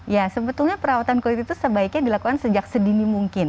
ya sebetulnya perawatan kulit itu sebaiknya dilakukan sejak sedini mungkin